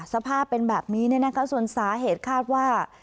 สภาพเป็นแบบนี้เนี่ยนะคะส่วนสาเหตุคาดว่า